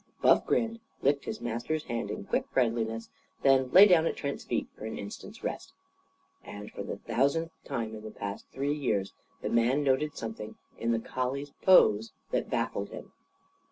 Buff grinned, licked his master's hand in quick friendliness, then lay down at Trent's feet for an instant's rest. And, for the thousandth time in the past three years the man noted something in the collie's pose that baffled him.